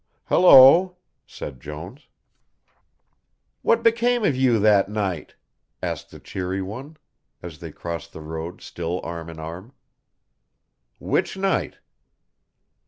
"Hello," said Jones. "What became of you that night?" asked the cheery one, as they crossed the road still arm in arm. "Which night?"